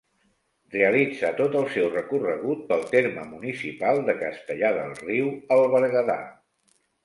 Realitza tot el seu recorregut pel terme municipal de Castellar del Riu, al Berguedà.